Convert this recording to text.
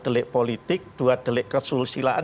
delik politik dua delik kesusilaan